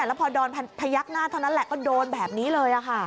แล้วพอโดนพยักหน้าเท่านั้นแหละก็โดนแบบนี้เลยค่ะ